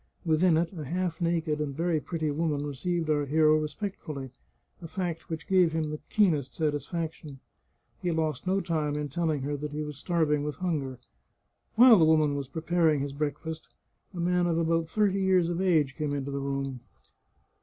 Within it a half naked and very pretty woman received our hero respect fully, a fact which gave him the keenest satisfaction. He lost no time in telling her that he was starving with hunger. While the woman was preparing his breakfast a man of about thirty years of age came into the room.